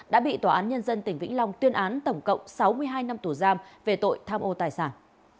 đã bị tòa án nhân dân tỉnh vĩnh long tuyên án tổng cộng sáu mươi hai năm tù giam về tội tham ô tài sản